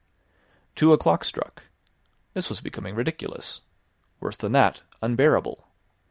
Two o'clock struck. This was becoming ridiculous; worse than that, unbearable.